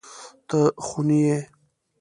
ته خوني يې.